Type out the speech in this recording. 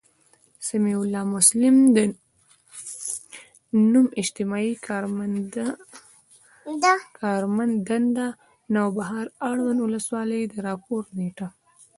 سمیع الله مسلم، نـــوم، اجتماعي کارمنددنــده، نوبهار، اړونــد ولسـوالـۍ، د راپــور نیــټه